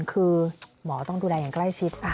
คือหมอต้องดูแลอย่างใกล้ชิด